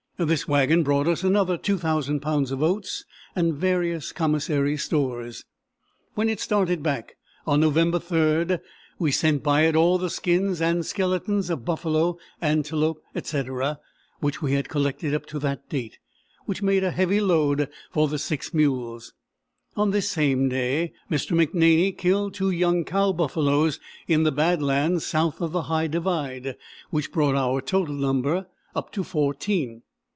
This wagon brought us another 2,000 pounds of oats and various commissary stores. When it started back, on November 3, we sent by it all the skins and skeletons of buffalo, antelope, etc., which we had collected up to that date, which made a heavy load for the six mules. On this same day Mr. McNaney killed two young cow buffaloes in the bad lands south of the High Divide, which brought our total number up to fourteen.